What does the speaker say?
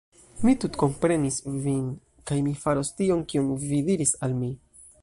Mi tutkomprenis vin, kaj mi faros tion kion vi diris al mi